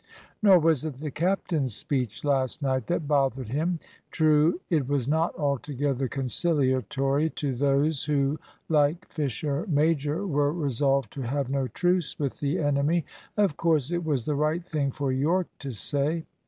Nor was it the captain's speech last night that bothered him. True, it was not altogether conciliatory to those, who, like Fisher major, were resolved to have no truce with the enemy. Of course it was the right thing for Yorke to say.